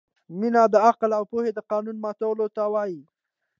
مینه د عقل او پوهې د قانون ماتولو ته وايي.